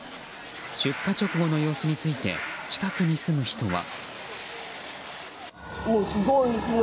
出火直後の様子について近くに住む人は。